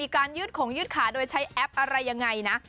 การยืดของยืดขาโดยใช้แอปอะไรยังไงนะ